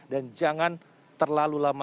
dan jangan terlalu lama